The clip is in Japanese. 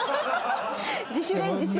自主練自主練。